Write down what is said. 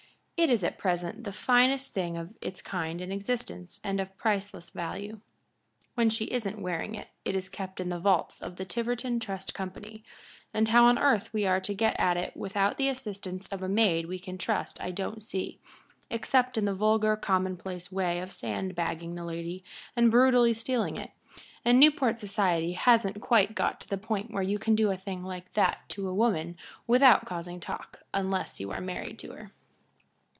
It is at present the finest thing of its kind in existence and of priceless value. When she isn't wearing it it is kept in the vaults of the Tiverton Trust Company, and how on earth we are to get it without the assistance of a maid we can trust I don't see except in the vulgar, commonplace way of sandbagging the lady and brutally stealing it, and Newport society hasn't quite got to the point where you can do a thing like that to a woman without causing talk, unless you are married to her."